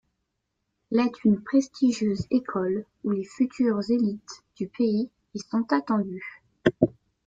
L' est une prestigieuse école où les futurs élites du pays y sont attendues.